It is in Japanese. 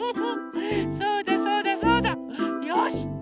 そうだそうだそうだ。よし！